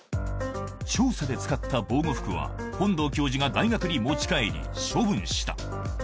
調査で使った防護服は、本道教授が大学に持ち帰り、処分した。